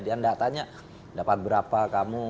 dia tidak tanya dapat berapa kamu